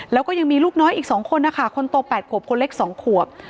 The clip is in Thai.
แล้วก็ยังมีลูกน้อยอีก๒คนนะคะคนโต๘ขวบคนเล็ก๒ขวบ